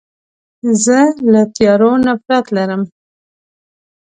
زه له تیارو نفرت لرم.